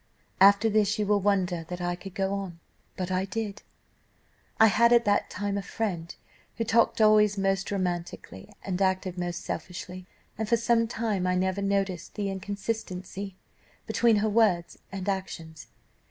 "After this you will wonder that I could go on, but I did. "I had at that time a friend, who talked always most romantically, and acted most selfishly, and for some time I never noticed the inconsistency between her words and actions.